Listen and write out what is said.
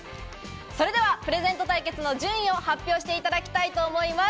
それではプレゼント対決の順位を発表していただきたいと思います。